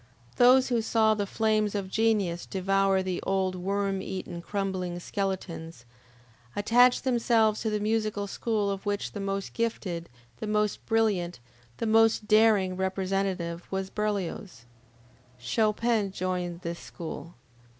Those who saw the flames of Genius devour the old worm eaten crumbling skeletons, attached themselves to the musical school of which the most gifted, the most brilliant, the most daring representative, was Berlioz. Chopin joined this school.